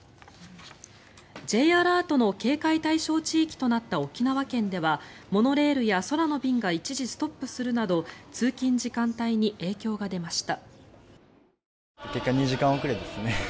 Ｊアラートの警戒対象地域となった沖縄県ではモノレールや空の便が一時ストップするなど通勤時間帯に影響が出ました。